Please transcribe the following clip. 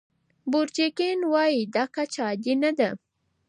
بورجیګین وايي دا کچه عادي نه ده.